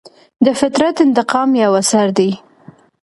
د فطرت انتقام یو اثر دی.